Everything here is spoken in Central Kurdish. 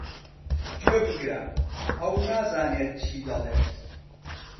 گوێبگرە، ئەو نازانێت چی دەڵێت.